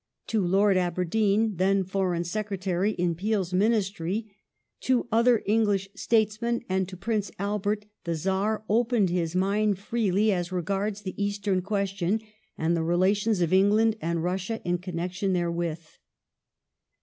To Lord Aberdeen, then Foreign Secretary ^^^^^J^^^ in Peel's Ministry, to other English statesmen and to Prince Albert land the Czar opened his mind freely as regards the Eastern question and the relations of England and Russia in connection therewith.